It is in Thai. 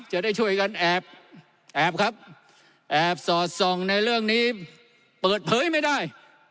จะได้ช่วยกันแอบแอบครับแอบสอดส่องในเรื่องนี้เปิดเผยไม่ได้